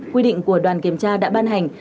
quy định của đoàn kiểm tra đã ban hành